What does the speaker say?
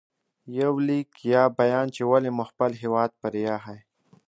• یو لیک یا بیان چې ولې مو خپل هېواد پرې ایښی